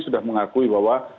sudah mengakui bahwa